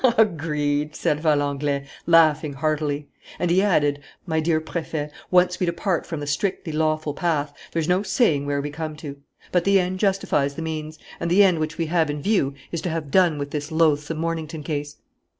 "Agreed," said Valenglay, laughing heartily. And he added, "My dear Préfect, once we depart from the strictly lawful path, there's no saying where we come to. But the end justifies the means; and the end which we have in view is to have done with this loathsome Mornington case."